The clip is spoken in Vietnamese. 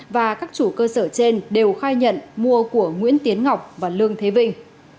và các chủ cơ sở trên đều khai nhận mua của nguyễn tiến ngọc và lương thế vinh